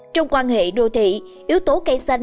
trong quan hệ đô thị yếu tố cây xanh